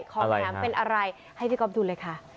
อะไรฮะอะไรฮะของแถมเป็นอะไรให้พี่ก๊อบดูเลยค่ะ